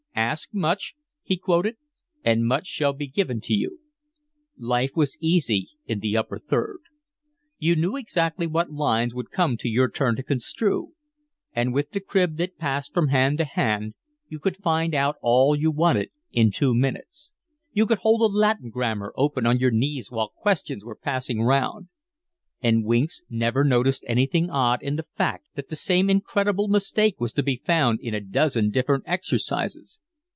"Ask much," he quoted, "and much shall be given to you." Life was easy in the Upper Third. You knew exactly what lines would come to your turn to construe, and with the crib that passed from hand to hand you could find out all you wanted in two minutes; you could hold a Latin Grammar open on your knees while questions were passing round; and Winks never noticed anything odd in the fact that the same incredible mistake was to be found in a dozen different exercises.